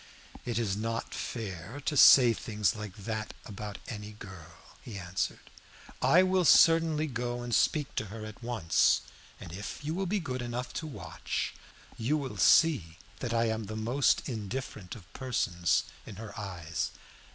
"It is not fair to say things like that about any girl," he answered. "I will certainly go and speak to her at once, and if you will be good enough to watch, you will see that I am the most indifferent of persons in her eyes."